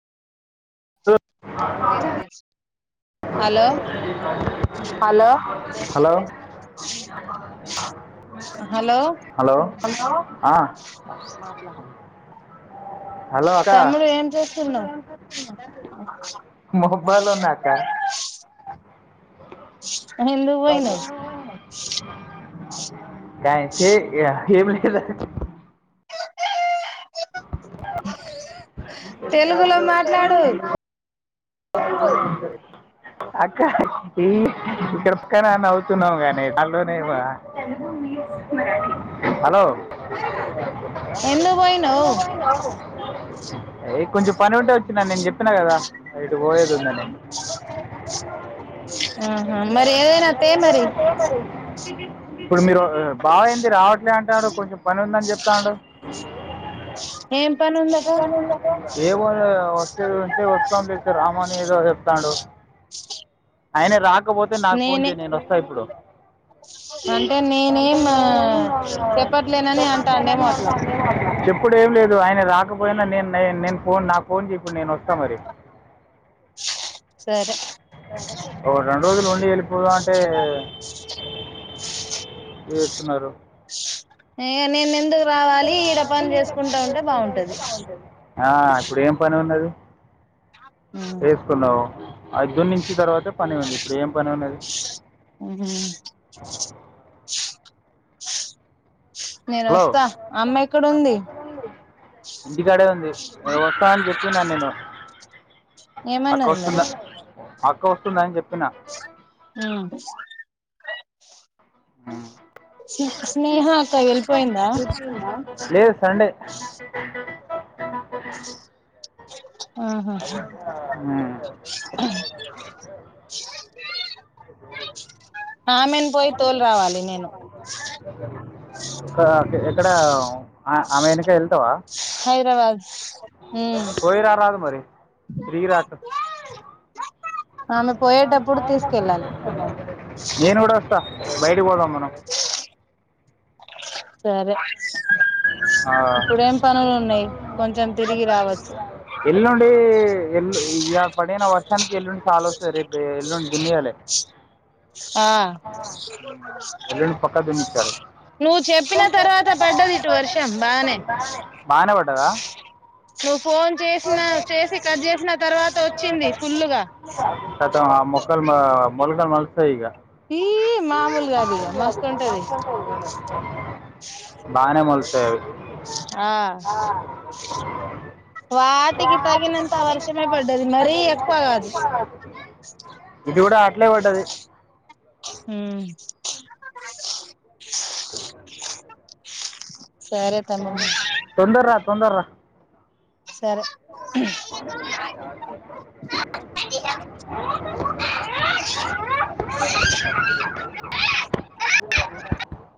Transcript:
Hello hello hello hello hello ఆ hello అక్క తమ్ముడు ఏం చేస్తున్నావ్ మొబైల్లో ఉన్న అక్క కానీ ఎందుకు పోయినావ్ [unintelligible] కష తెలుగులో మాట్లాడు అక్క ఈ కృపకనా అవుతున్నావు కాగానే హలో ఎందుకు పోయనావు అ కొంచెం పని ఉంటే వచ్చినని నేను చెప్పినా కదా ఇటు పోయేది ఉందని ఆహా మరి ఏదైనా తే మరి ఇప్పుడు మీరు బావైంది రావట్లే అంటాడు కొంచెం పని ఉందని చెప్తాడు ఏం పని ఉం [unintelligible] ఏమో వస్తేది ఉంటే వస్తాం లేదు రామని ఏదో చెప్తాడు ఆయన రాకపోతే నాకు ఫోన్ నేనే [unintelligible] నేను వస్తా ఇప్పుడు అంటే నేనేం చెప్పట్లేనని అంటాండేమో అట్లా [unintelligible] చెప్పుడు ఏం లేదు ఆయన రాకపోయినా నేను నేను ఫోన్ నా ఫోన్ చెప్పుడు నేను వస్తా మరి సరే ఒ రెండు రోజులు ఉండి వెళ్ళిపోదా అంటే [unintelligible] నేను ఎందుకు నేను ముందు రావలి ఈడ రావాలి పని చేసుకుంటా పని ఉంటే చేసుకుంటూ ఉంటే బాగుంటది బాగుంటుంది ఆ ఇప్పుడు ఏం పని ఉన్నది ఉ న్నావు ఐదు నుంచి తర్వాతే పని ఉంది ఇప్పుడు ఏం పని ఉన్నది ఉహు నేను హలో వస్తా అమ్మ ఎక్కడుంది [unintelligible] ఉంది వస్తా అని చెప్పిన నేను అక్క ఏమన్నది మరి వస్తుంద అక్క వస్తుందని చెప్పినా అ ఉమ్. [unintelligible] స్నేహ అక్క ఎల్పోయిందా లేదు సండే ఆహా ఉమ్. అ ఆమెను పోయి తోలు రావాలి నేను ఎక్కడ ఆమె వెనక వెళ్తావ హైదరాబాద్ ఉమ్ పోయిరారదు మరి [unintelligible] ఆమె పోయేటప్పుడు తీసుకెళ్ళాలి నేను కూడ వస్త బయటకి పోదం మనం సరే ఇప్పుడేం పనులు ఉన్నాయి కొంచెం తిరిగి రావచ్చు ఎల్లుండి ఎల్లు పడిన వర్షానికి ఎల్లుండి చాల వస్తుంది రేపు ఎల్లుండి దునియాలే ఆ ఎల్లుండి పక్కా దున్నిచ్చారు నువ్వు చెప్పిన తర్వాత పడ్డది ఇటు వర్ ర్షం బానే వాన పడ్డాద నువ్వు ఫోన్ చేసిన చేసిన చేసి కట్ చేసిన తర్వాత వచ్చింది ఫుల్లుగ మొక్కల్ మ మొల్గలు మొలుస్తాయి ఇగా ఈ మామూలు గాదు ఇక మస్తుంటది బానే మొలుస్తాయి అవి ఆ ఆ. వాటికి తగినంత పడిన వర్షమే పడ్డది కాలుకి మరీ ఎక్కువ మళ్ళీ కాదు ఎక్కువ ఇది కూడా అట్లే పడ్డది హామ్ అ సరే తమ్మడు తొందర రా తొందర రా సరే మరి సరే